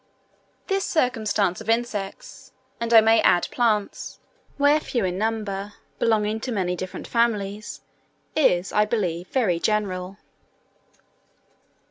This circumstance of insects (and I may add plants), where few in number, belonging to many different families, is, I believe, very general.